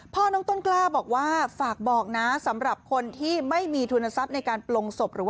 น้องต้นกล้าบอกว่าฝากบอกนะสำหรับคนที่ไม่มีทุนทรัพย์ในการปลงศพหรือว่า